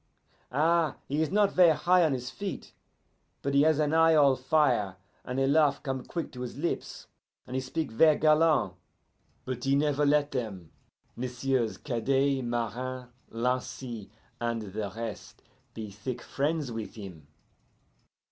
Ah, he is not ver' high on his feet, but he has an eye all fire, and a laugh come quick to his lips, and he speak ver' galant, but he never let them, Messieurs Cadet, Marin, Lancy, and the rest, be thick friends with him.